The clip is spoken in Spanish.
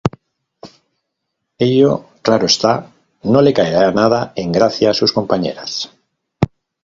Ello, claro está, no le caerá nada en gracia a sus compañeras.